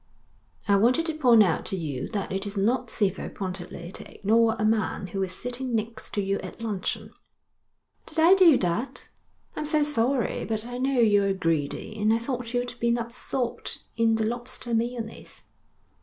'I wanted to point out to you that it is not civil pointedly to ignore a man who is sitting next to you at luncheon.' 'Did I do that? I'm so sorry. But I know you're greedy, and I thought you'd be absorbed in the lobster mayonnaise.'